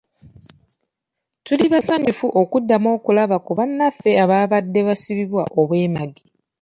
Tuli basanyufu okuddamu okulaba ku bannaffe ababadde baasibibwa obwemage.